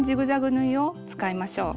縫いを使いましょう。